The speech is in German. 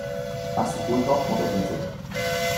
Axel Bulthaupt moderierte.